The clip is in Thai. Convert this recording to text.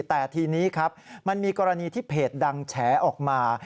แต่ทีนี้ครับมันมีกรณีที่เพจดังแฉออกมา